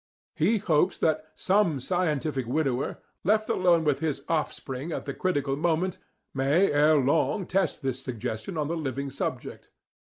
He hopes that "some scientific widower, left alone with his offspring at the critical moment, may ere long test this suggestion on the living subject."